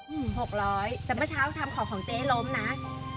หกร้อยแต่เมื่อเช้าทำของของเจ๊ล้มนะ